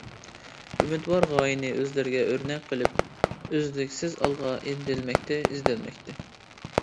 ئۈمىدۋار غايىنى ئۆزلىرىگە ئۆرنەك قىلىپ ئۆزلۈكسىز ئالغا ئىنتىلمەكتە، ئىزدەنمەكتە.